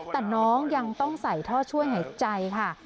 แต่น้องยังต้องใส่ท่อช่วยหายใจค่ะ